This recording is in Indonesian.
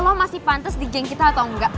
lo masih pantas di geng kita atau enggak